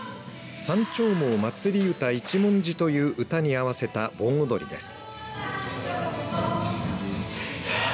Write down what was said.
山鳥毛祭唄一文字という歌に合わせた盆踊りです。